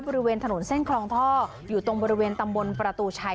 บริเวณถนนเส้นคลองท่ออยู่ตรงบริเวณตำบลประตูชัย